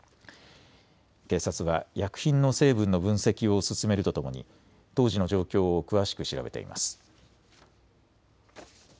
警察は薬品の成分の分析を進めるとともに当時の状況を詳しく調べています。